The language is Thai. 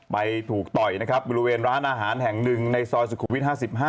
ไปถูกต่อยบริเวณร้านอาหารแห่ง๑ในซอยสุขุวิท๕๕